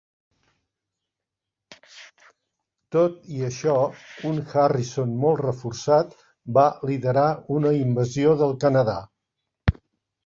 Tot i això, un Harrison molt reforçat va liderar una invasió del Canadà.